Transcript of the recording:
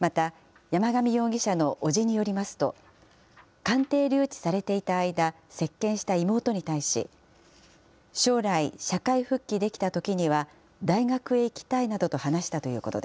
また、山上容疑者の伯父によりますと、鑑定留置されていた間、接見した妹に対し、将来、社会復帰できたときには大学へ行きたいなどと話したということです。